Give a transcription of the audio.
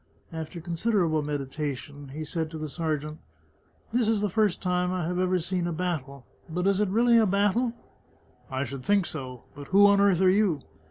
After considerable meditation he said to the sergeant :" This is the first time I have ever seen a battle. But is it really a battle? " "I should think so! But who on earth are you?"